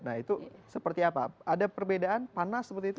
nah itu seperti apa ada perbedaan panas seperti itu